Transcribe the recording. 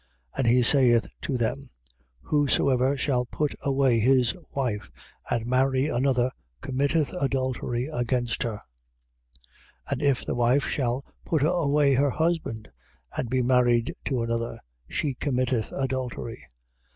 And he saith to them: Whosoever shall put away his wife and marry another committeth adultery against her. 10:12. And if the wife shall put away her husband and be married to another, she committeth adultery. 10:13.